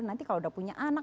nanti kalau udah punya anak